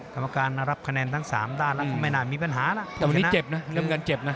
แต่ตอนนี้เจ็บนะ